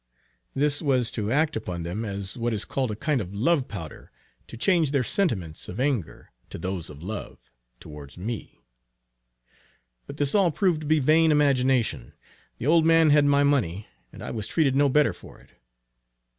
This was to act upon them as what is called a kind of love powder, to change their sentiments of anger, to those of love, towards me, but this all proved to be vain imagination. The old man had my money, and I was treated no better for it.